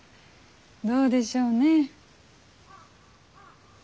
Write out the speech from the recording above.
どうでしょうねぇ。